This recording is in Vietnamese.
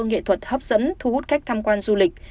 nghệ thuật hấp dẫn thu hút cách tham quan du lịch